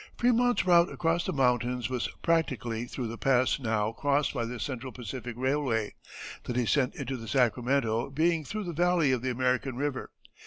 Frémont's route across the mountains was practically through the pass now crossed by the Central Pacific Railway, the descent into the Sacramento being through the valley of the American River.